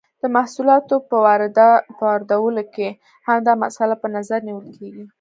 د محصولاتو په واردولو کې هم دا مسئله په نظر نیول کیږي.